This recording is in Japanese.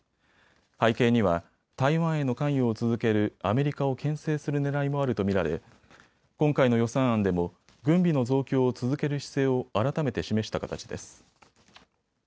背景には台湾への関与を続けるアメリカをけん制するねらいもあると見られ今回の予算案でも軍備の増強を続ける姿勢を改めて示した形です。